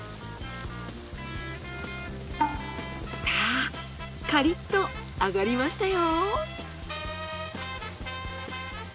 さぁカリッと揚がりましたよ。